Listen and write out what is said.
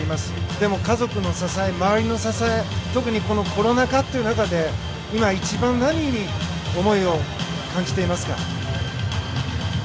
でも家族の支え、周りの支え特に、このコロナ禍の中で今、一番、何に思いを感じていますか？